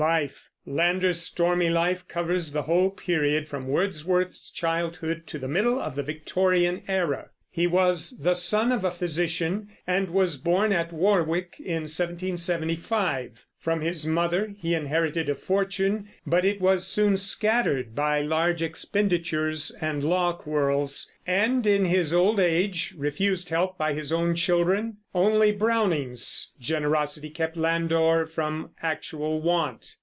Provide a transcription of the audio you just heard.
LIFE. Lander's stormy life covers the whole period from Wordsworth's childhood to the middle of the Victorian Era. He was the son of a physician, and was born at Warwick, in 1775. From his mother he inherited a fortune; but it was soon scattered by large expenditures and law quarrels; and in his old age, refused help by his own children, only Browning's generosity kept Landor from actual want.